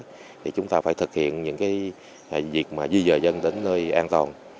thì chúng ta phải thực hiện những cái việc mà duy dời dân đến nơi an toàn